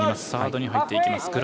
サードに入っていきます。